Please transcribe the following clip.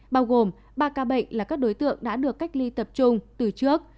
bao gồm ba ca bệnh là các đối tượng đã được cách ly tập trung từ trước